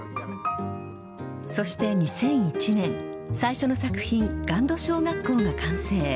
そして、２００１年最初の作品ガンド小学校が完成。